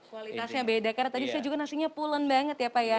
kualitasnya beda karena tadi saya juga nasinya pulen banget ya pak ya